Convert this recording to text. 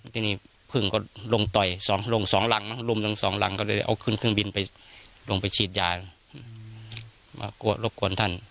ที่นี่พึ่งก็ลงต่อยลงสองลังลุมลงสองลังก็เลยเอาคืนเครื่องบินลงไปฉีดยามารบกวนท่าน